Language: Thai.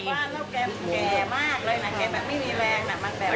ว่าแล้วแกแก่มากเลยนะแกแบบไม่มีแรงน่ะ